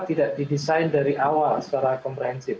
jadi kita harus membuat desain dari awal secara komprehensif